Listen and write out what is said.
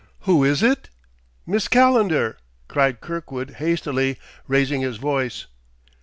"Who is it?" "Miss Calendar!" cried Kirkwood hastily, raising his voice.